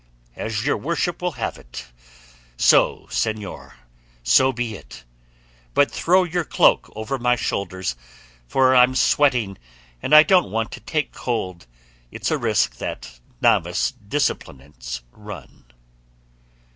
"As your worship will have it so, señor," said Sancho, "so be it; but throw your cloak over my shoulders, for I'm sweating and I don't want to take cold; it's a risk that novice disciplinants run."